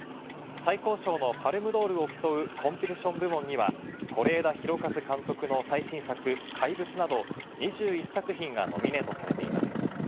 最高賞のパルムドールを競うコンペティション部門には、是枝裕和監督の最新作『怪物』など２１作品がノミネートされています。